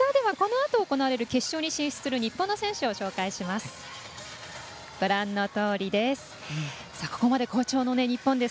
このあと行われる決勝に進出する日本の選手をご紹介します。